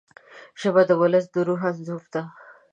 ژبه د ولس د روح انځور ده